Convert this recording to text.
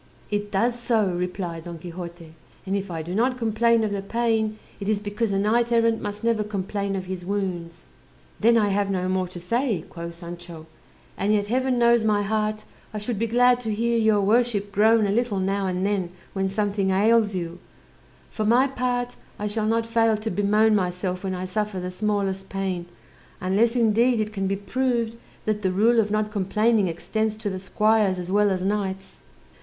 "It does so," replied Don Quixote; "and if I do not complain of the pain, it is because a knight errant must never complain of his wounds." "Then I have no more to say," quoth Sancho; "and yet Heaven knows my heart, I should be glad to hear your worship groan a little now and then when something ails you: for my part, I shall not fail to bemoan myself when I suffer the smallest pain, unless, indeed, it can be proved that the rule of not complaining extends to the squires as well as knights."